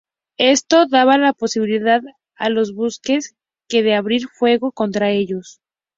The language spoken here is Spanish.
Esto daba la posibilidad a los buques Q de abrir fuego contra ellos.